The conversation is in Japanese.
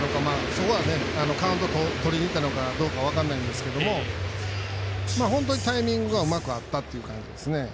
そこはカウントとりにいったのかどうか分からないんですけど本当にタイミングがうまく合ったという感じですね。